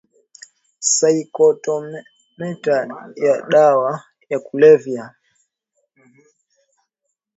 saikotomimetri ya dawa ya kulevya